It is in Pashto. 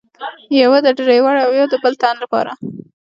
یوه د ډریور او یوه د بل تن له پاره.